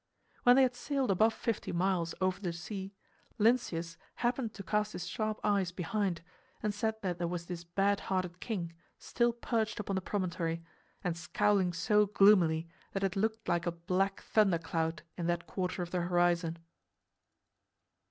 When they had sailed above fifty miles over the sea Lynceus happened to cast his sharp eyes behind, and said that there was this bad hearted king, still perched upon the promontory, and scowling so gloomily that it looked like a black thunder cloud in that quarter of the horizon.